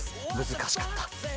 難しかった。